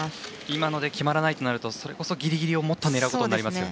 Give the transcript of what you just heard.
今ので決まらないとなるとそれこそギリギリを狙うことになりますよね。